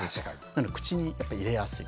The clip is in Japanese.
なので口にやっぱり入れやすい。